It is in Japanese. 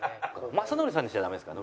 雅紀さんにしちゃダメですか？